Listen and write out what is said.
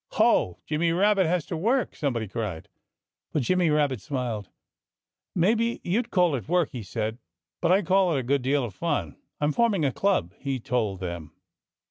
"Ho! Jimmy Rabbit has to work!" somebody cried. But Jimmy Rabbit smiled. "Maybe you'd call it work," he said. "But I call it a good deal of fun.... I'm forming a club," he told them.